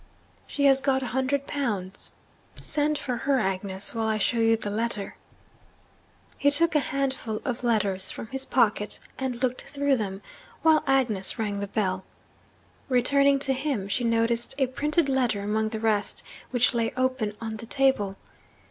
'She has got a hundred pounds. Send for her, Agnes, while I show you the letter.' He took a handful of letters from his pocket, and looked through them, while Agnes rang the bell. Returning to him, she noticed a printed letter among the rest, which lay open on the table.